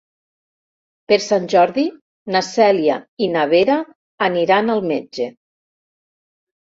Per Sant Jordi na Cèlia i na Vera aniran al metge.